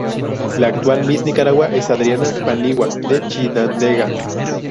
La actual Miss Nicaragua, es Adriana Paniagua de Chinandega.